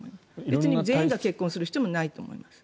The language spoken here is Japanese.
別に全員が結婚する必要はないと思います。